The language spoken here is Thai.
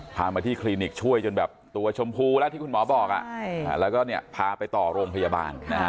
พามาที่คลินิกช่วยจนแบบตัวชมพูแล้วที่คุณหมอบอกแล้วก็พาไปต่อโรงพยาบาล